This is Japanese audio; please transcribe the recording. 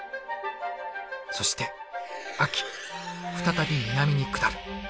そして秋再び南に下る。